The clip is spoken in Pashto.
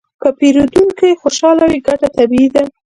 که پیرودونکی خوشحاله وي، ګټه طبیعي ده.